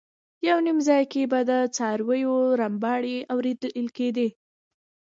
یو نیم ځای کې به د څارویو رمباړې اورېدل کېدې.